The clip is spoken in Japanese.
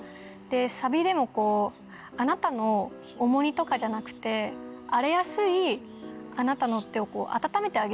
サビでも「あなたの重荷とかじゃなくて荒れやすいあなたの手をあたためてあげよう」